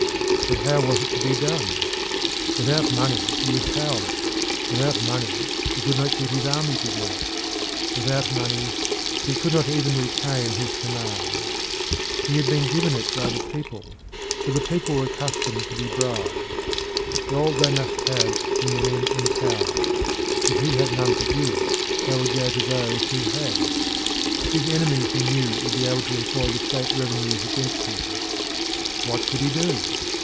But how was it to be done? Without money he was powerless; without money he could not keep his army together; without money he could not even retain his command. He had been given it by the people, but the people were accustomed to be bribed. Gold they must have from the men in power; if he had none to give they would go to those who had. His enemies he knew would be able to employ the state revenues against him. What could he do?